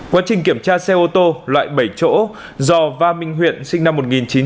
quá trình kiểm tra xe ô tô loại bảy chỗ do va minh huyện sinh năm một nghìn chín trăm tám mươi